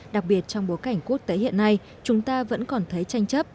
đặc biệt trong bối cảnh quốc tế hiện nay chúng ta vẫn còn thấy tranh chấp